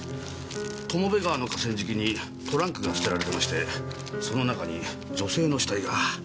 友部川の河川敷にトランクが捨てられてましてその中に女性の死体が。